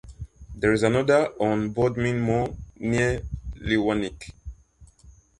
There is another on Bodmin Moor near Lewannick.